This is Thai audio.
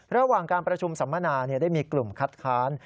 ระหว่างการประชุมสัมมนาได้มีกลุ่มคัดค้าน